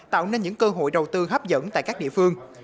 tạo nên những cơ hội đầu tư hấp dẫn tại các địa phương